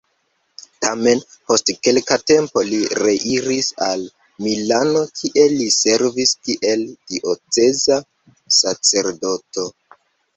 Tamen, post kelka tempo li reiris al Milano, kie li servis kiel dioceza sacerdoto.